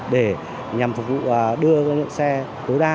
để nhằm phục vụ đưa xe tối đa